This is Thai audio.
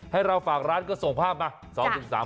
ให้เราฝากร้านก็ส่งภาพมา